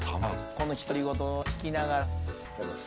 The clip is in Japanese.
この独り言を聞きながら。